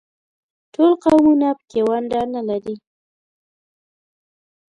ټول قومونه په کې ونډه نه لري.